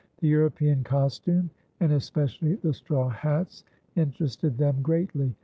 The European costume, and especially the straw hats, interested them greatly.